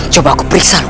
coba aku periksa kamu